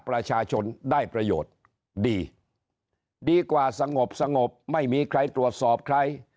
ประชาชนได้ประโยชน์ดีดีกว่าสงบสงบไม่มีใครตรวจสอบใคร